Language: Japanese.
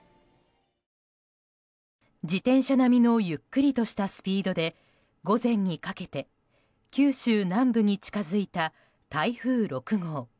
自転車並みのゆっくりとしたスピードで午前にかけて九州南部に近づいた台風６号。